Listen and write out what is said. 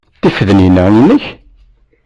Tifednin-a inek?